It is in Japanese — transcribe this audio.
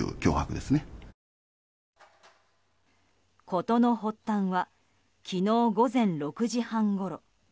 事の発端は昨日午前６時半ごろ。